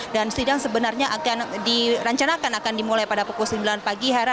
dan sidang sebenarnya akan dirancanakan akan dimulai pada pukul sembilan pagi hera